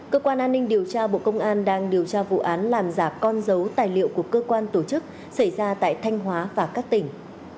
cơ quan an ninh điều tra bộ công an đang điều tra vụ án làm giả con dấu tài liệu của cơ quan tổ chức xảy ra tại thanh hóa và các tỉnh